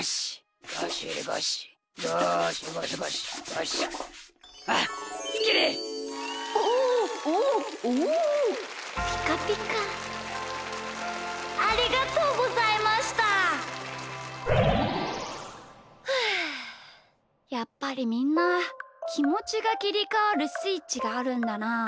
ふうやっぱりみんなきもちがきりかわるスイッチがあるんだな。